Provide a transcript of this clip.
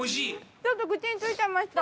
ちょっと口についちゃいました。